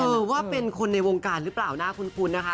เออว่าเป็นคนในวงการหรือเปล่าน่าคุ้นนะคะ